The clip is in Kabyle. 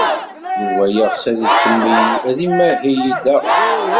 Yuba yeɣs ad ikemmel ad imahel da.